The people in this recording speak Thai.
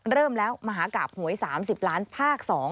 เริ่มแล้วมหากราบหวย๓๐ล้านภาค๒